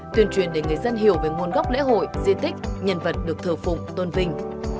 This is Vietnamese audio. tuyên truyền để người dân hiểu về nguồn gốc lễ hội di tích nhân vật được thờ phụng tôn vinh